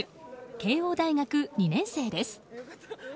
慶應大学２年生です。